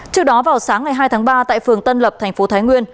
trước đó vào sáng ngày hai tháng ba tại phường tân lập tp thái nguyên